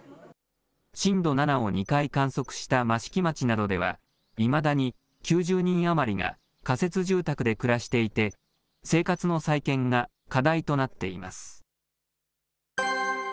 震度７を２回観測した益城町などでは、いまだに９０人余りが仮設住宅で暮らしていて、生活の再建が課題となっています。